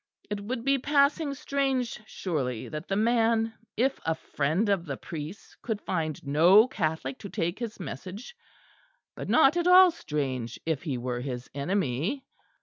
It would be passing strange, surely that the man, if a friend of the priest's, could find no Catholic to take his message; but not at all strange if he were his enemy.